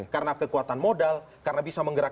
karena kekuatan modal karena bisa menggabungkan